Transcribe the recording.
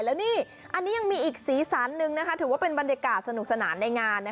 แล้วนี่อันนี้ยังมีอีกสีสันนึงถือว่าเป็นบรรยากาศสนุกสนานในงาน